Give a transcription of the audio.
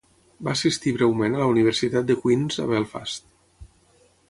Va assistir breument a la universitat de Queens a Belfast.